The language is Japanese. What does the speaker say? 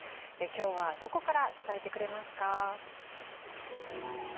今日はどこから伝えてくれますか？